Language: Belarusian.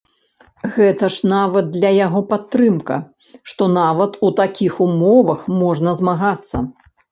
Гэта ж нават для яго падтрымка, што нават у такіх умовах можна змагацца.